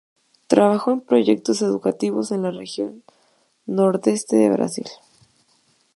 Trabajó en proyectos educativos en la Región Nordeste de Brasil.